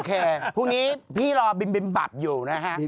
โอเคพรุงนี้พี่รอบิมบับอยู่นะฮะ